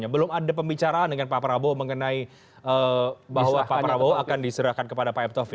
belum ada pembicaraan dengan pak prabowo mengenai bahwa pak prabowo akan diserahkan kepada pak m taufik